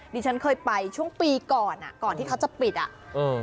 ดิฉันเคยไปช่วงปีก่อนอ่ะก่อนที่เขาจะปิดอ่ะเออ